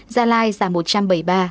gia lai giảm một trăm bảy mươi ba